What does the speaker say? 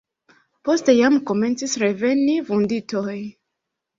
Poste jam komencis reveni vunditoj.